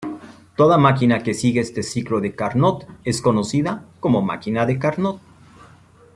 Toda máquina que sigue este "ciclo de Carnot" es conocida como máquina de Carnot.